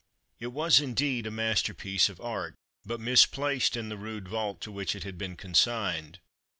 It was, indeed, a masterpiece of art, but misplaced in the rude vault to which it had been consigned.